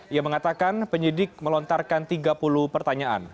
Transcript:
ia mengatakan penyidik melontarkan tiga puluh pertanyaan